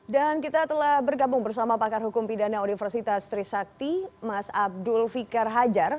dan kita telah bergabung bersama pakar hukum pidana universitas trisakti mas abdul fikar hajar